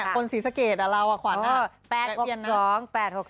คนศรีษะเกรดเราขวาน๘๖๒